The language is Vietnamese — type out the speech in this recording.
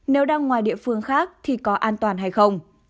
nếu đang ngoài địa phương khác thì có an toàn hay không